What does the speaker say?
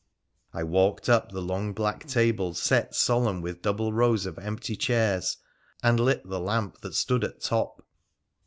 I walked up the long black tables set solemn with double rows of empty chairs, and lit the lamp that stood at top.